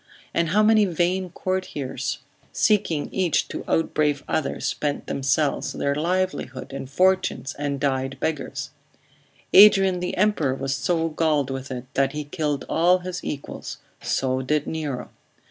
and how many vain courtiers, seeking each to outbrave other, spent themselves, their livelihood and fortunes, and died beggars? Adrian the Emperor was so galled with it, that he killed all his equals; so did Nero.